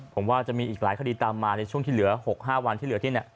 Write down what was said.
ผมว่าจะมีอีกหลายคดีตามมาในช่วงที่เหลือ๖๕วันที่เหลือที่เนี่ย